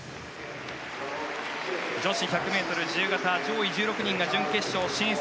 女子１００ｍ自由形上位１６人が準決勝進出。